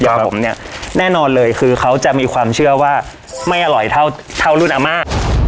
ผมเนี่ยแน่นอนเลยคือเขาจะมีความเชื่อว่าไม่อร่อยเท่าเท่ารุ่นอาม่า